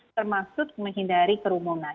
termasuk menghindari kerumunan